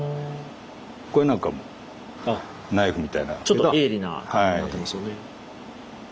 ちょっと鋭利な感じになってますよね。